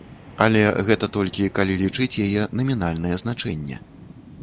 Але гэта толькі калі лічыць яе намінальнае значэнне.